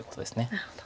なるほど。